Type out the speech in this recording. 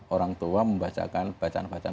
orang tua membacakan bacaan bacaan